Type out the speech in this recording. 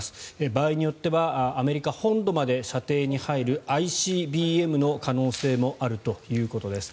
場合によってはアメリカ本土まで射程に入るＩＣＢＭの可能性もあるということです。